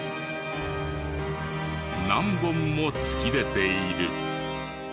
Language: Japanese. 何本も突き出ている。